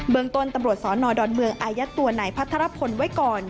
เบื้องต้นตำรวจสนดเมืองอายัตุวนายพัฒนภลพลไว้ก่อน